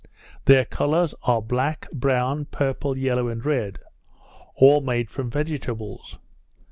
Their colours are black, brown, purple, yellow, and red; all made from vegetables.